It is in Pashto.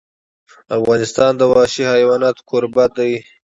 افغانستان د وحشي حیوانات کوربه دی.